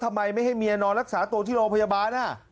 ทำไมไม่ให้เมียนอนรักษาตัวที่โรงพยาบาล